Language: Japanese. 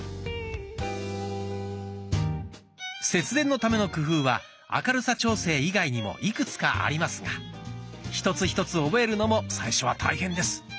節電のための工夫は明るさ調整以外にもいくつかありますが一つ一つ覚えるのも最初は大変です。